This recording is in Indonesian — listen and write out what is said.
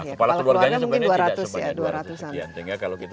kepala keluarganya mungkin dua ratus an